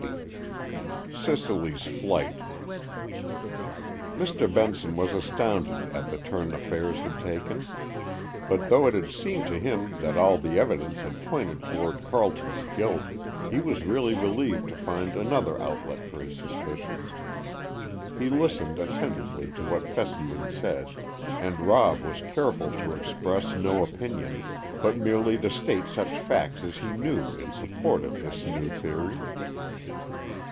XX CICELY'S FLIGHT Mr. Benson was astounded at the turn affairs had taken; but though it had seemed to him that all the evidence had pointed toward Carleton's guilt, he was really relieved to find another outlet for his suspicions. He listened attentively to what Fessenden said, and Rob was careful to express no opinion, but merely to state such facts as he knew in support of this new theory.